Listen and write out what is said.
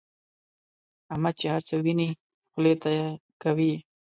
احمد چې هرڅه ویني خولې ته کوي یې.